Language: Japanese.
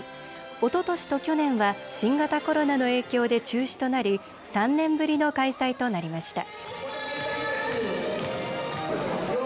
おととしと去年は新型コロナの影響で中止となり３年ぶりの開催となりました。